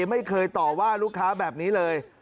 ไม่เคยต่อว่าลูกค้าแบบนี้เลย